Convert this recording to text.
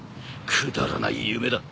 くだらない夢だ。